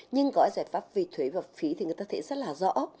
nhưng gói giải pháp về thuế và phí thì người ta thấy rất là rõ